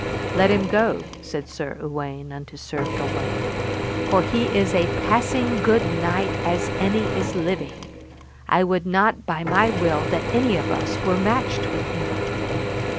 Let him go, said Sir Uwaine unto Sir Gawaine, for he is a passing good knight as any is living; I would not by my will that any of us were matched with him.